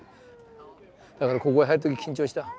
だからここへ入る時緊張した。